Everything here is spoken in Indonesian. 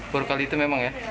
baru kali itu memang ya